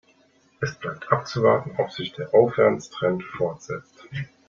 Es bleibt abzuwarten, ob sich der Aufwärtstrend fortsetzt.